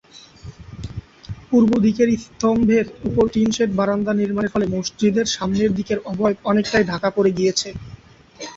পূর্বদিকের স্তম্ভের উপর tin shed বারান্দা নির্মাণের ফলে মসজিদের সামনের দিকের অবয়ব অনেকটাই ঢাকা পড়ে গিয়েছে।